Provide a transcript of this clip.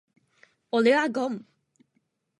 俺はゴン。